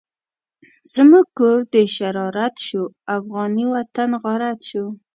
زموږ کور د شرارت شو، افغانی وطن غارت شو